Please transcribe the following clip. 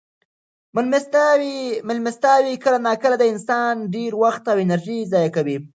مېلمستیاوې کله ناکله د انسان ډېر وخت او انرژي ضایع کوي.